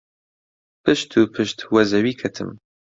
پشت و پشت وە زەوی کەتم.